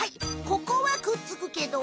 ここはくっつくけど